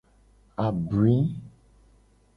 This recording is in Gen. Abui.